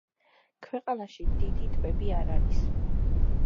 ქვეყანაში დიდი ტბები არ არის.